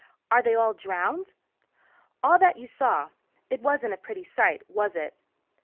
Are they all drowned?" "All that you saw. It wasn't a pretty sight, was it?"